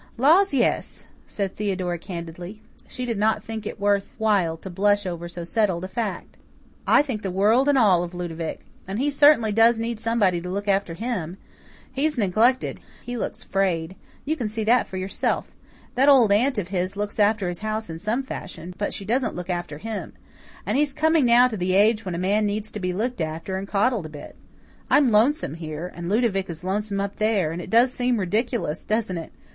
"Laws, yes," said Theodora candidly. She did not think it worth while to blush over so settled a fact. "I think the world and all of Ludovic. And he certainly does need somebody to look after HIM. He's neglected he looks frayed. You can see that for yourself. That old aunt of his looks after his house in some fashion, but she doesn't look after him. And he's coming now to the age when a man needs to be looked after and coddled a bit. I'm lonesome here, and Ludovic is lonesome up there, and it does seem ridiculous, doesn't it?